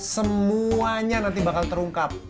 semuanya nanti bakal terungkap